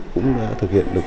cũng được thực hiện được